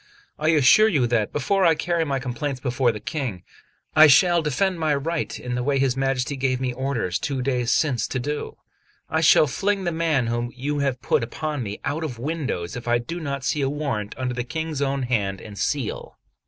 I assure you that, before I carry my complaints before the King, I shall defend my right in the way his Majesty gave me orders two days since to do. I shall fling the man whom you have put upon me out of windows if I do not see a warrant under the King's own hand and seal."